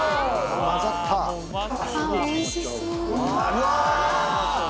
うわ！